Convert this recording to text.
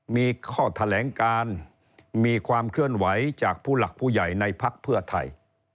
มีข้อแถลงการมีความเคลื่อนไหวจากผู้หลักผู้ใหญ่ในพักเพื่อไทย